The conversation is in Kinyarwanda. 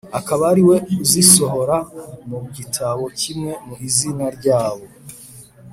akaba ari we uzisohora mu gitabo kimwe mu izina ryabo.